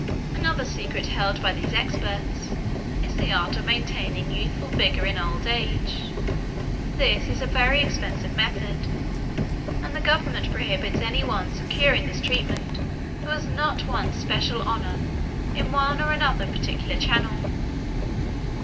Another secret held by these experts is the art of maintaining youthful vigor in old age. This is a very expensive method and the government prohibits any one securing this treatment who has not won special honor in one or another particular channel.